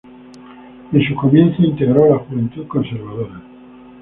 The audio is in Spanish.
En sus comienzos integró la Juventud Conservadora.